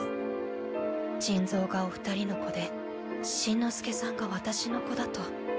珍蔵がお二人の子でしんのすけさんがワタシの子だと。